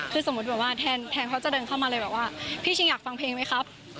คือสมมุติแบบว่าแทนเขาจะเดินเข้ามาเลยบอกว่าพี่ชิงอยากฟังเพลงไหมครับ